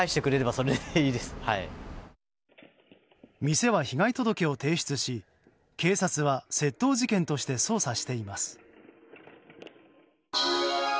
店は被害届を提出し、警察は窃盗事件として捜査しています。